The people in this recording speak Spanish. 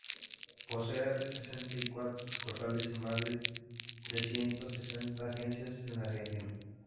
Posee sesenta y cuatro sucursales, y más de trescientas sesenta agencias en Argentina.